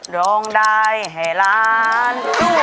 ร้องได้ให้ล้าน